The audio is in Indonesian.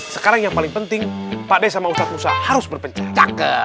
sekarang yang paling penting pak de sama ustadz musa harus berbuncang